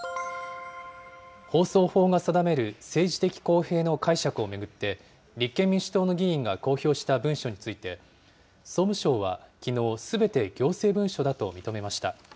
放送法が定める政治的公平の解釈を巡って、立憲民主党の議員が公表した文書について、総務省はきのう、すべて行政文書だと認めました。